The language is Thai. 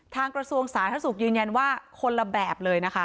กระทรวงสาธารณสุขยืนยันว่าคนละแบบเลยนะคะ